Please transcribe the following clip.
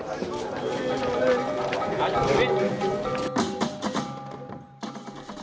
para prajurit bali di masa lalu